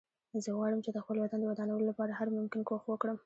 زه غواړم چې د خپل وطن د ودانولو لپاره هر ممکن کوښښ وکړم